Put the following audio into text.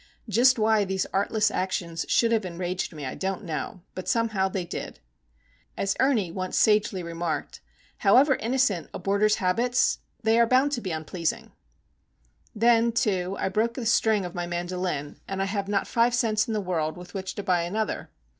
Just why these artless actions should have enraged me I don't know; but, somehow, they did. As Ernie once sagely remarked,—"However innocent a boarder's habits, they are bound to be unpleasing." Then, too, I broke a string of my mandolin, and I have not five cents in the world with which to buy another.